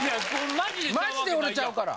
マジで俺ちゃうから。